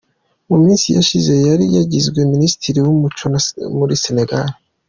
Mu minsi yashize yari yagizwe Minisitiri w’Umuco muri Senegal.